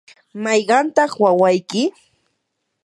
¿mayqantaq wawayki?